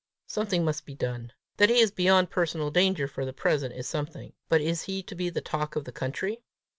Something must be done. That he is beyond personal danger for the present is something; but is he to be the talk of the country?"